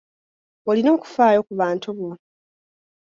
Olina okufaayo ku bantu bo.